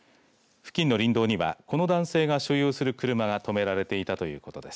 付近の林道にはこの男性が所有する車が止められていたということです。